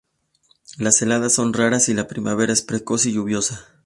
Las heladas son raras y la primavera es precoz y lluviosa.